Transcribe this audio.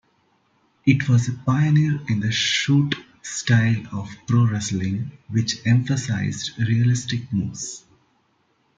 It was a pioneer in the shoot-style of pro-wrestling, which emphasized realistic moves.